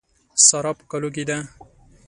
سارا په کالو کې ده.